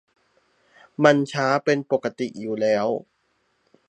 มันช้าเป็นปกติอยู่แล้ว